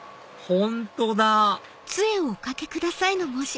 本当だ！